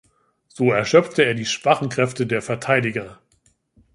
So erschöpfte er die schwachen Kräfte der Verteidiger.